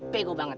bego banget ya